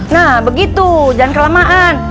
nah begitu jangan kelamaan